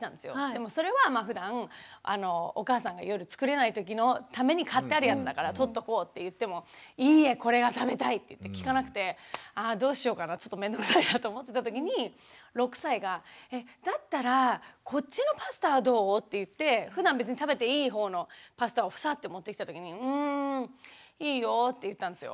でもそれはふだんお母さんが夜作れないときのために買ってあるやつだから取っとこうって言っても「いいえこれが食べたい」って言って聞かなくてあどうしようかなちょっと面倒くさいなと思ってたときに６歳が「えっだったらこっちのパスタはどう？」って言ってふだん別に食べていいほうのパスタをサッて持ってきたときに「うんいいよ」って言ったんですよ。